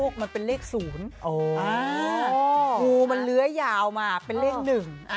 ขกมันเป็นเลขศูนย์อ๋อมูมันเรื้อยาวมาเป็นเลขหนึ่งอ่ะ